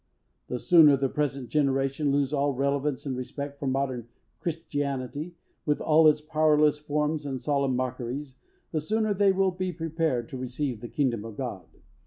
The sooner the present generation lose all reverence and respect for modern "Christianity," with all its powerless forms and solemn mockeries, the sooner they will be prepared to receive the kingdom of God.